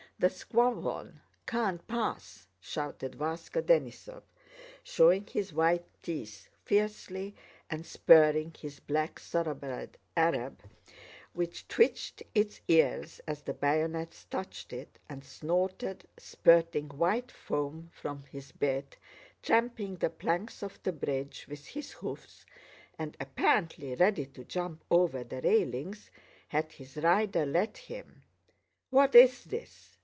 "The squadwon can't pass," shouted Váska Denísov, showing his white teeth fiercely and spurring his black thoroughbred Arab, which twitched its ears as the bayonets touched it, and snorted, spurting white foam from his bit, tramping the planks of the bridge with his hoofs, and apparently ready to jump over the railings had his rider let him. "What is this?